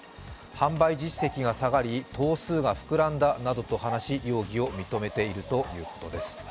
販売実績が下がり、頭数が膨らんだなどと話し容疑を認めているということです。